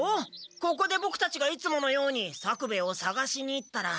ここでボクたちがいつものように作兵衛をさがしに行ったら。